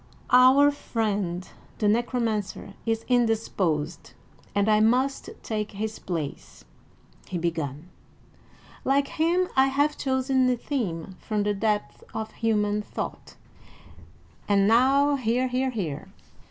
"Our friend the Necromancer is indisposed, and I must take his place," he began. "Like him, I have chosen a theme from the depths of human thought; and now, hear! hear! hear!"